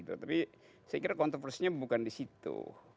tapi saya kira kontroversinya bukan di situ